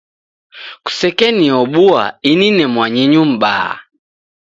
Kusekeniobua ini ne mwanyinyu mbaa.